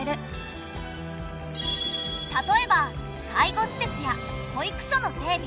例えば介護施設や保育所の整備